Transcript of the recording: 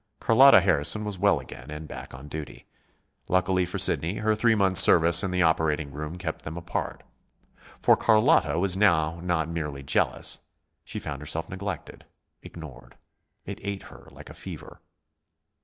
Carlotta Harrison was well again, and back on duty. Luckily for Sidney, her three months' service in the operating room kept them apart. For Carlotta was now not merely jealous. She found herself neglected, ignored. It ate her like a fever.